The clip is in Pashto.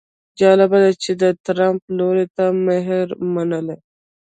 جالبه ده چې د ټرمپ لور ته یې مهر منلی.